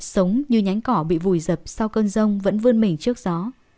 sống như nhánh cỏ bị vùi dập sau cơn rông vẫn vươn mình trước gió